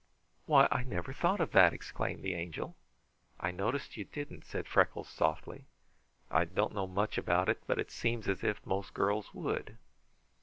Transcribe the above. "Why, I never thought of that!" exclaimed the Angel. "I noticed you didn't," said Freckles softly. "I don't know much about it, but it seems as if most girls would."